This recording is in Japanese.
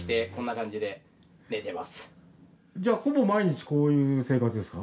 じゃあぼぼ毎日こういう生活ですか？